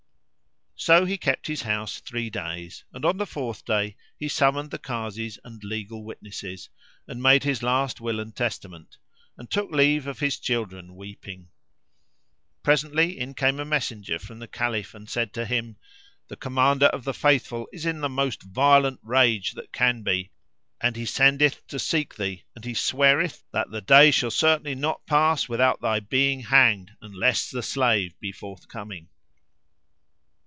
So he kept his house three days, and on the fourth day he summoned the Kazis and legal witnesses and made his last will and testament, and took leave of his children weeping. Presently in came a messenger from the Caliph and said to him, "The Commander of the Faithful is in the most violent rage that can be, and he sendeth to seek thee and he sweareth that the day shall certainly not pass without thy being hanged unless the slave be forth coming."